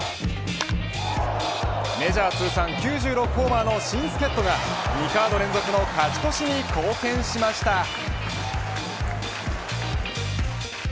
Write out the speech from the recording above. メジャー通算９６ホーマーの新助っ人が２カード連続の勝ち越しに貢献しました。